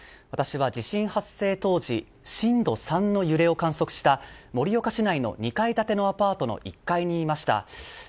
私は地震発生当時震度３の揺れを観測した盛岡市内の２階建のアパートの１階にいました。